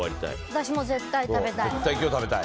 私も絶対食べたい。